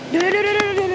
duh duh duh duh duh duh duh